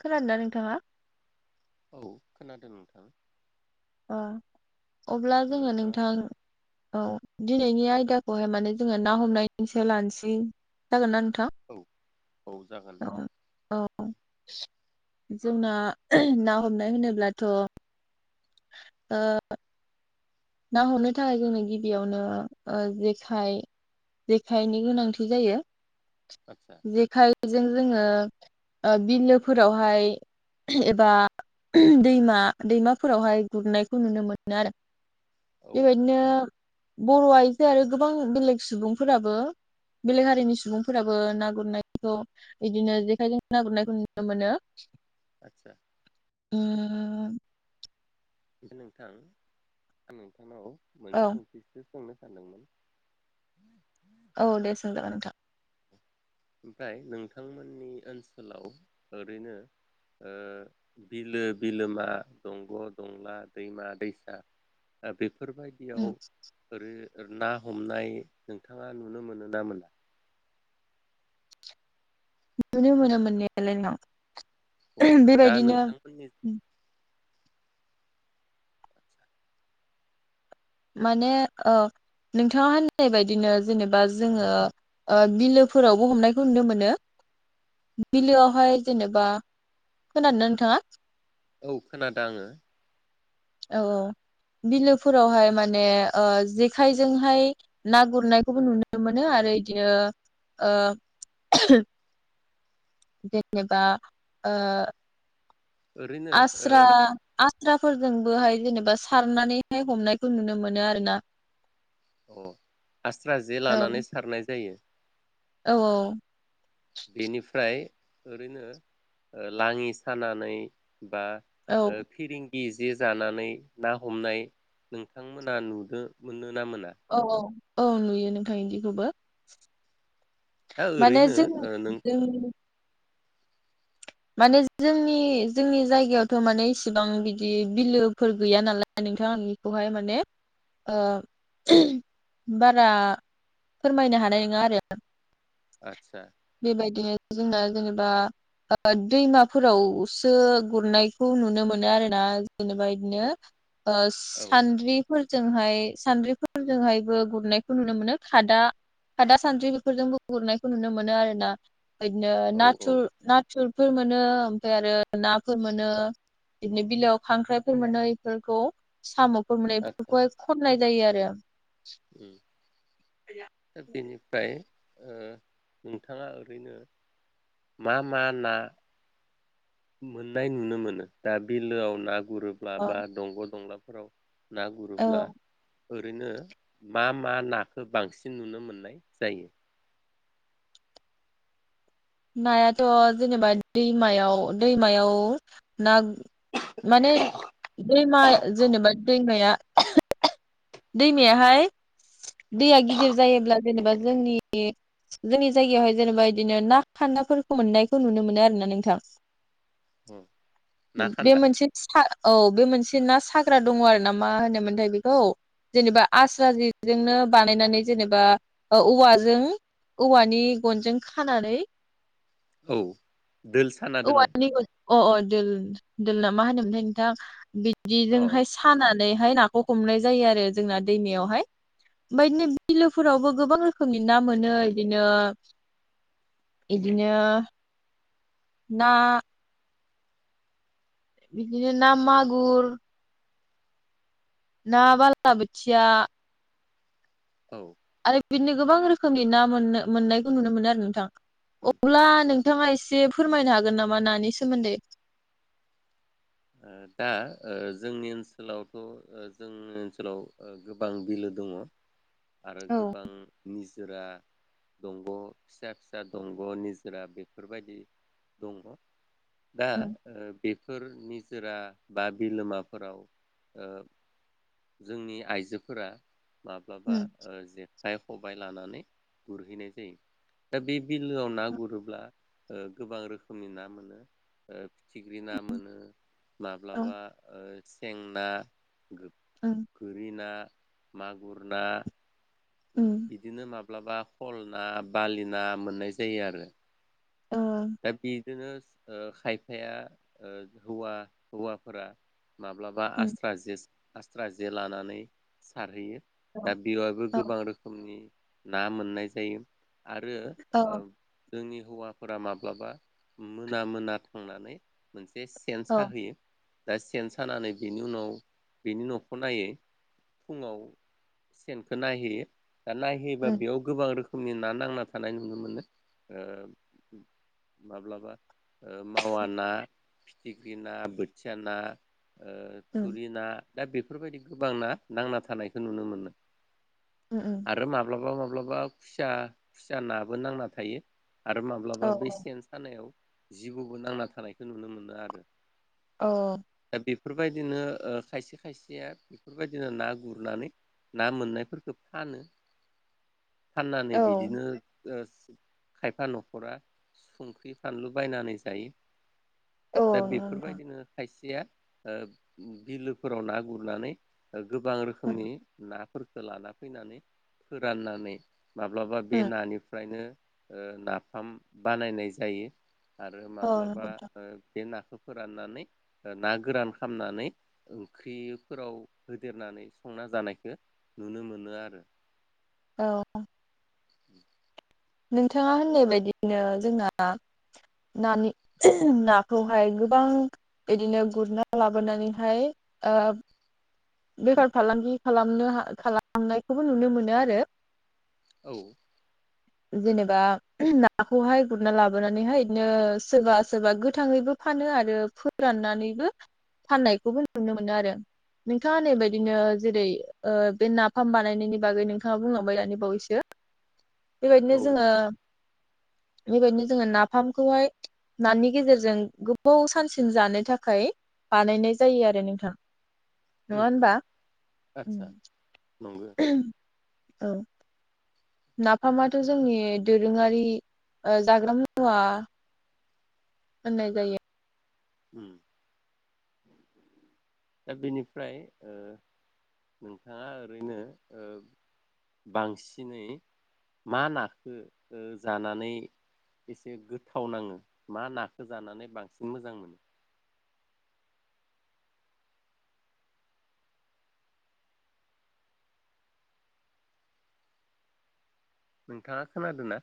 खोनादोंना नोंथाङा? औ खोनादों नोंथां। औ। अब्ला जोङो नोंथाङा नोंथां औ। दिनैनि आयदाखौहाय माने जोङो ना हमनायनिसो लानसै जागोनना नों औ औ जागोन। औ जोंना ना हमनाय होनोब्लाथ' ओ ना हमनो थाखाय जोंनो गिबियावनो ओ जेखाइ जेखाइनि गोनांथि जायो। आदसा जेखाइ बेजों जोङो ओ बिलोफोरावहाय एबा दैमा दैमाफोरावहाय गुरनायखौ नुनो मोनो आरो। औ औ बेबायदिनो बर' आइजो आरो गोबां बेलेग सुबुंफोराबो बेलेग हारिनि सुबुंफोराबो ना गुरनायखौ बिदिनो जेखाइजों ना गुरनायखौ नुनो मोनो। आटचा। उम नोंथां आं नोंथांनाव औ मोनसे [unintelligible] सोंनो सानदोंमोन। औ दे सोंजागोन नोंथां। ओमफ्राय नोंथांमोननि ओनसोलाव ओरैनो ओ बिलो बिलोमा, दंग' दंला, दैमा दैसा बे बफोरबायदियाव उम [unintelligible] ना हमनाय नोंथाङा नुनो मोनो ना मोनला? नुनो मोनो मोननायालाय औ [unintelligible] दा बेबायदिनो नोंथांमोननि उम माने ओ नोंथाङा होननाय बायदिनो जेनेबा जोङो ओ बिलोफोरावबो हमनायखौ नुनो मोनो। बिलोआवहाय जेनेबा खोनादोना नोंथाङा? औ खोनादों आङो। औ औ बिलोफोरावहाय माने ओ जेखाइजोंहाय ना गुरनायखौबो नुनो मोनो आरो इदियो ओ जेनेबा ओ ओरैनो आस्रा ओ आस्रा फोरजोंबोहाय जेनेबा सारनानैहाय हमनायखौ नुनो मोनो आरोना। अ आस्रा जे औ लानानै सारनाय जायो। औ औ। बेनिफ्राय ओरैनो लांयि सानानै बा औ ओ फिरिं इ जे जानानै ना हमनाय नोंथांमोना नुदों मोनो ना मोना औ औ। औ नुयो नोंथां इदिखौबो। दा माने ओरैनो ओ नों जोंनि-जोंनि माने जोंनि-जोंनि जायगायावथ' माने इसिबां बिदि बिलोफोर गैया नालाय नोंथां बेखौहाय माने ओ बारा फोरमायनो हानाय नङा आरो। आदसा बेबायदिनो जोंना जेनेब बा ओ दैमाफोरावसो गुरनायखौ नुनो मोनो आरो ना। जेनेबा इदिनो औ ओ औ सान्द्रिफोरजोंहाय सानद्रिफोरजोंहायबो गुरनायखौ नुनो मोनो खादा-खादा सान्द्रि बेफोरजोंबो गुरनायखौ नुनो मोनो आरो ना। बिदिनो औ नाथुर नाथ सुरफोर मोनो ओमफ्राय आरो नाफोर मोनो बिदिनो बिलोयाव खांख्राइफोर मोनो इफोरखौ साम' [unintelligible] खननाय जायो आरो। ओम दा बेनिफ्राय ओ नोंथाङा ओरैनो मा मा ना मोननाय नुनो मोनो दा बिलोआव ना गुरोब्ला औ बा दंग' दंला फोराव ना औ गुरोब्ला। ओरैनो मा-मा नाखौ बांसिन नुनो मोननाय जायो। नायाथ' जेनेबा दैमायाव-दैमायाव ना माने दैमा जेनेबा दैमाया दैमायाहाय दैया गिदिर जायोब्ला जेनेबा जोंनि- जोंनि जायगायावहाय जेनेबा बिदिनो ना खान्दाफोरखौ मोननायखौ नुनो मोनो आरो ना नोंथां। ना बे खान्दा मोनसे [unintelligible] औ बे मोनसे ना साग्रा दङ आरो ना मा होनोमोनथाय बेखौ जेनेबा आस्रा जेजोंनो बानायनानै जेनेबा औवाजों औवानि गनजों खानानै औ दोल साना दोननाय औवानिबो अ अ दोल दोल ना मा होनोमोनथाय नोंथां बिद औ बिजोंहाय सानान नैहाय नाखौ हमनाय जायो आरो जोंना दैमायावहाय ओमफाय बिदिनो बिलोफोरावबो गोबां रोखोमनि ना मोनो इदिनो इदिनो ना बिदिनो ना मागुर ना बाला‌ बाथिया औ आरो बिदिनो गोबां रोखोमनि ना मोननो मोननायखौ नुनो मोनो आरो नोंथां अब्ला नोंथांङा एसे फोरमायनो हागोन नामा नानि सोमोन्दै। दा ओ जोंनि ओनसोलावथ' ओ जोंनि ओनसोलाव गोबां बिलो दङ। आरो औ गोबां निजोरा दंग‌' फिसा-फिसा दंग' निजोरा बेफोरबायदि दंङ। दा उम ओ बेफोर नि जोरा बा बिलोमाफोराव ओ जोंनि आइजोफोरा माब्लाबा उम ओ जेखाइ खबाय लानानै गुरहैनाय जायो दा बे बिलोआव ना गुरोब्ला ओ गोबां रोखोमनि ना मोनो फिथिख्रि ना मोनो। औ माब्लाबा ओ सेें ना उम गो-गोरि ना मागुर ना उम बिदिनो माब माब्लाबा कल ना बालि ना मोननाय जायो आरो औ दा बि बिदिनो ओ खायफाया हौवा हौवाफोरा माब्लाबा उम आस्रा जेस आस्रा जे लानानै सारहैयो औ दा बेयावबो गोबां रोखोमनि ना मोननाय जायो। आरो औ ओ जोंनि हौवाफोरा माब्लाबा मोना मोना थांनानै मोनसे सेन औ साहोयो। दा सेन सानानै बिनि उनाव बिनि न'खौ नायै फुं नाहोयो। नायहैबा उम बेयाव गोबां रोखो रोखोमनि ना नांना थानाय नुनो मोनो माब्लाबा‌ मावा ना फिथिख्रि ना, बोथिया ना ओ उम थुरि ना दा बेफोर बायदि गोबां ना नांना थानायखौ नुनो मोनो। उम उम आरो माब्लाबा माब्लाबा खुसिया खुसिया नाबो नांना थायो। आरो औ माब्लाबा बे सेन सानायाव जिबौबो नांना थानायखौ नुनो मोनो आरो। औ। बेफोर बायदिनो ओ खायसे खायसेया बेफोर बायदिनो ना गुरनानै ना मोननायफोर खौ फानो। फाननानै औ बिदिनो ओ खायफा न'खरा संख्रि फानलु बायनानै जायो। औ दा नंगौ बेफोर नोंथां बायदिनो खायसे या बिलोफोराव ना गुरनानै ओ गोबां उम रोखोमनि ना फोरखौ लाना फैनानै फोराननानै माब्लाबा बे उम नानिफ्रायनो ओ नाफाम बानायनाय जायो। आरो औ माब्लाबा नंगौ नोंथां ओ बे ना फोराननानै ना गोरान खालामनानै ओंख्रिफोराव होदेरनानै संना जानायखौ नुनो मो नो आरो। औ। [inaudible] नोंथाङा होननाय बायदिनो जोंना नानि नाखौहाय गोबां बिदिनो गुरना लाबोनानैहाय ओ बेफार फालांगि खालामनो खालामनायखौबो नुनो मोनो आरो। औ। जेनेबा नाखौहाय गुरना लाबोनानैहाय बिदिनो सोरबा सोरबा गोथाङैबो फानो आरो फोराननानैबो फाननायखौबो नुनो मोनो आरो नोंथाङा होननाय औ बायदिनो जेरै ओ बे नाफाम बानायनायनि बागै नोंथाङा बुंलांबाय दानि बावैसो बेबायदिनो औ जोङो बेबायदिनो जोङो नाफामखौहाय नानि गेजेरजों गोबाव सानसिन जानो थाखाय बानायनाय जायो आरो नोंथां। नङा उम उम होनबा। आदसा नंगौ औ। नाफामाथ' जोंनि दोरोङारि ओ जाग्रा मुवा होननाय जायो। उम दा बेनिफ्राय ओ नोंथाङा ओरैनो ओ बांसिनै मा नाखौ ओ जानानै एसे गोथाव नाङो मा नाखौ जानानै बांसिन मोजां मोनो? नोंथाङा खोनादों ना?